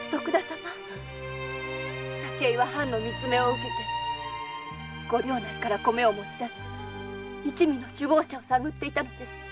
武井は藩の密命を受けてご領内から米を持ち出す一味の首謀者を探っていたのです。